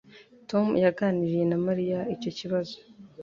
Tom yaganiriye na Mariya icyo kibazo